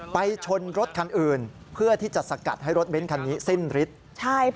ไปชนรถคันอื่นเพื่อที่จะสกัดให้รถเบ้นคันนี้สิ้นฤทธิ์ใช่ค่ะ